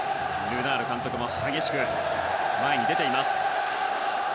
ルナール監督も激しく前に出ています。